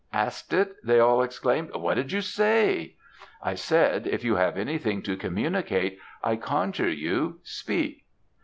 "'Asked it!' they all exclaimed. 'What did you say?' "'I said, if you have anything to communicate, I conjure you speak!'